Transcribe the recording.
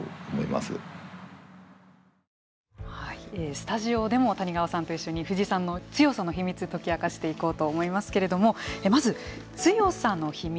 スタジオでも谷川さんと一緒に藤井さんの強さの秘密を解き明かしていこうと思いますけれどもまず、強さの秘密